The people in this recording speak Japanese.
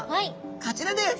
こちらです。